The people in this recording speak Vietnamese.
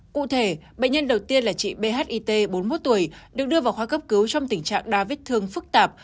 cụ thể bệnh nhân đầu tiên là chị bhit bốn mươi một tuổi được đưa vào khoa cấp cứu trong tình trạng đa vết thương phức tạp